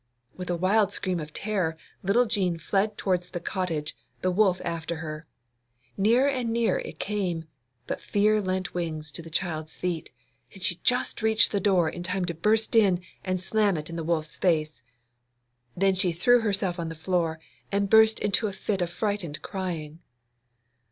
With a wild scream of terror, little Jean fled towards the cottage, the wolf after her. Nearer and nearer it came, but fear lent wings to the child's feet, and she just reached the door in time to burst in and slam it in the wolf's face. Then she threw herself on the floor and burst into a fit of frightened crying.